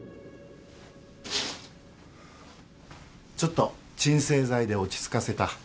・ちょっと鎮静剤で落ち着かせた。